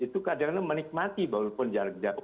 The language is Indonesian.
itu kadang kadang menikmati walaupun jarak jauh